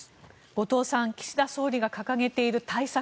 後藤さん岸田総理が掲げている対策